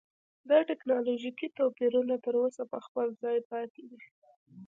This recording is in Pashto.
دا ټکنالوژیکي توپیرونه تر اوسه په خپل ځای پاتې دي.